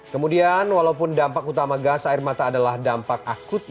kemudian walaupun dampak utama gas air mata adalah dampak akut yang terjadi di saluran nafas